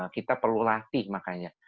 kita perlu latih makanya